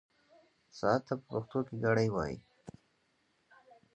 ساعت ته په پښتو کې ګړۍ وايي.